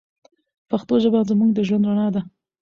پښتو ژبه زموږ د ژوند رڼا ده.